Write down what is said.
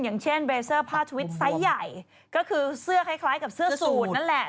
อย่างเช่นเวเซอร์ผ้าทวิตไซส์ใหญ่ก็คือเสื้อคล้ายกับเสื้อสูตรนั่นแหละ